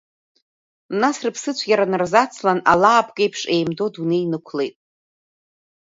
Нас рыԥсыцәгьара нарзацлан, алаапкеиԥш еимдо адунеи инықәлеит.